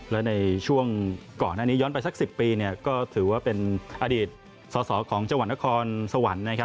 และในช่วงก่อนหน้านี้ย้อนไปสัก๑๐ปีก็ถือว่าเป็นอดีตสอสอของจังหวัดนครสวรรค์นะครับ